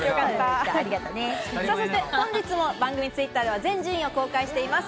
そして本日も番組Ｔｗｉｔｔｅｒでは全順位を公開しています。